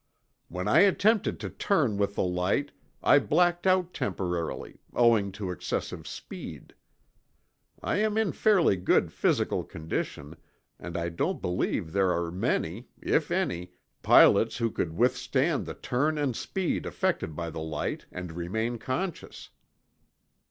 "When I attempted to turn with the light, I blacked out temporarily, owing to excessive speed. I am in fairly good physical condition, and I don't believe there are many, if any, pilots who could withstand the turn and speed effected by the light and remain conscious."